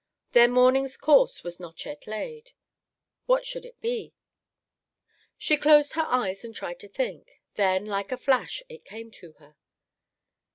Their morning's course was not yet laid. What should it be? She closed her eyes and tried to think. Then, like a flash, it came to her.